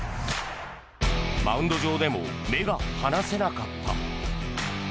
マウンド上でも目が離せなかった。